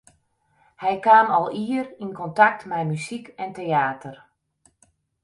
Hy kaam al ier yn kontakt mei muzyk en teäter.